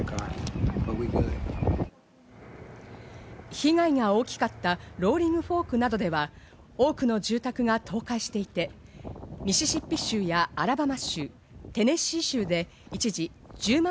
被害が大きかったローリングフォークなどでは、多くの住宅が倒壊していて、ミシシッピ州やアラバマ州、テネシー州で一時１０万